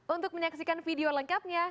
untuk menyaksikan video lengkapnya